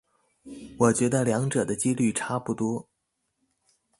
我覺得兩者的機率差不多